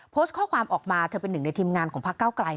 โพสท์ข้อความออกมาเธอเป็นหนึ่งในทีมงานของพก